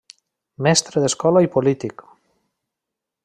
Mestre d'escola i polític.